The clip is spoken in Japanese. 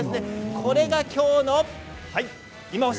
これが今日のいまオシ！